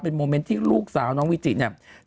โมเมนต์ที่ลูกสาวน้องวิจิเนี่ย